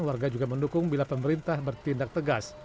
warga juga mendukung bila pemerintah bertindak tegas